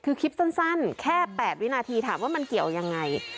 คือคลิปสั้นแค่๘วินาทีถามว่ามันเกี่ยวยังไง